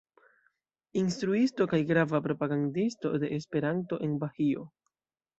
Instruisto kaj grava propagandisto de Esperanto en Bahio.